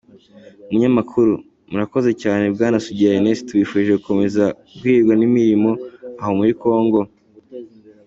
Umunyamakuru: Murakoze cyane Bwana Sugira Ernest tubifurije gukomeza guhirwa n’imirimo aho muri Congo.